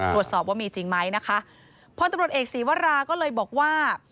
ตรวจสอบว่ามีจริงไหมนะคะพลตำรวจเอกศีวราก็เลยบอกว่า